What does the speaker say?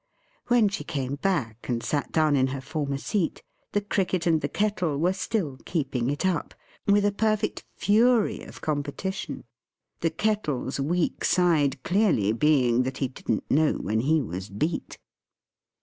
When she came back, and sat down in her former seat, the Cricket and the Kettle were still keeping it up, with a perfect fury of competition. The Kettle's weak side clearly being that he didn't know when he was beat.